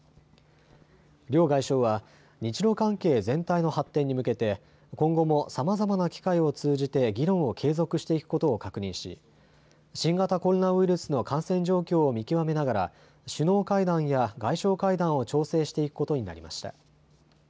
両外相は日ロ関係全体の発展に向けて今後もさまざまな機会を通じて議論を継続していくことを確認し、新型コロナウイルスの感染状況を見極めながら首脳会談や外相会談を調整していくことになりました。